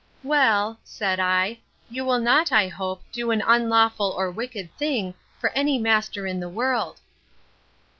Well, said I, you will not, I hope, do an unlawful or wicked thing, for any master in the world.